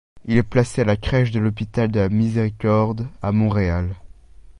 Il est placé à la Crèche de l'Hôpital de la Miséricorde à Montréal.